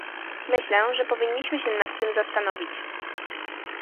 Myślę, że powinniśmy się nad tym zastanowić